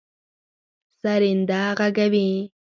سرېنده غږوي.